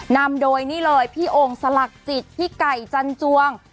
นำโดยนี่เลยพี่โอ่งสลักจิตพี่ไก่จันจวง